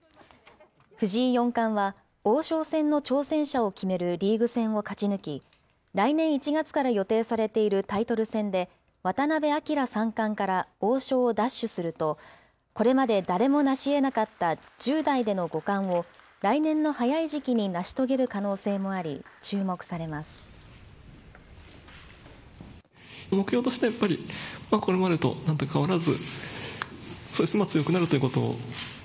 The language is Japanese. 藤井四冠は王将戦の挑戦者を決めるリーグ戦を勝ち抜き、来年１月から予定されているタイトル戦で、渡辺明三冠から王将を奪取すると、これまで誰も成しえなかった１０代での五冠を来年の早い時期に成し遂げる可能性もあり、注目されます。